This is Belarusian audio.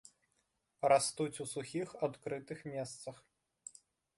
Растуць у сухіх адкрытых месцах.